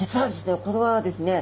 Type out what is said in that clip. これはですね